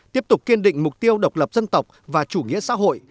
tiếp tục kiên định mục tiêu độc lập dân tộc và chủ nghĩa xã hội